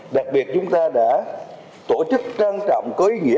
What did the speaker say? đặc biệt chúng ta đã tổ chức trang trọng cưới nghĩa